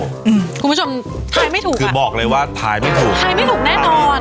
คุณผู้ชมทายไม่ถูกคือบอกเลยว่าทายไม่ถูกทายไม่ถูกแน่นอน